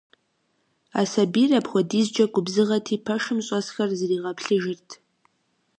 А сэбийр апхуэдизкӏэ губзыгъэти, пэшым щӏэсхэр зэригъэплъыжырт.